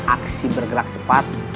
aksi bergerak cepat